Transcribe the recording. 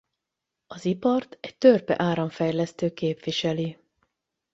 Az ipart egy törpe áramfejlesztő képviseli.